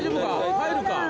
入るか？